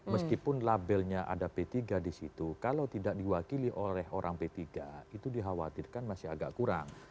meskipun labelnya ada p tiga di situ kalau tidak diwakili oleh orang p tiga itu dikhawatirkan masih agak kurang